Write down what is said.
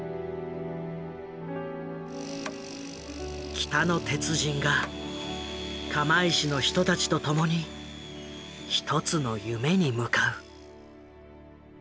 「北の鉄人」が釜石の人たちと共に一つの夢に向かう。